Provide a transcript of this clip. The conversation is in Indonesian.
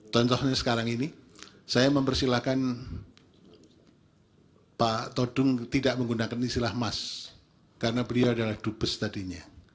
contohnya sekarang ini saya mempersilahkan pak todung tidak menggunakan istilah emas karena beliau adalah dubes tadinya